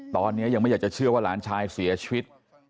ตอนนี้ยังไม่อยากจะเชื่อว่าหลานชายเสียชีวิต